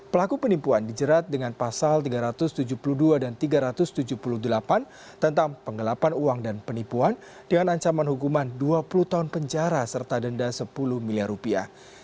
pelaku penipuan dijerat dengan pasal tiga ratus tujuh puluh dua dan tiga ratus tujuh puluh delapan tentang penggelapan uang dan penipuan dengan ancaman hukuman dua puluh tahun penjara serta denda sepuluh miliar rupiah